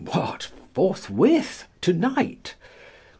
What! forthwith? tonight?